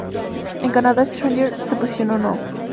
En Canadá "Stronger" se posicionó No.